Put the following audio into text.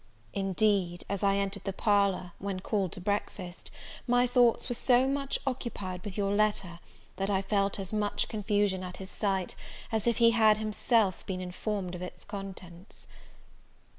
Indeed, as I entered the parlour, when called to breakfast, my thoughts were so much occupied with your letter, that I felt as much confusion at his sight, as if he had himself been informed of its contents.